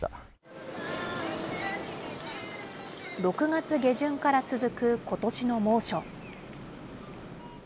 ６月下旬から続くことしの猛暑。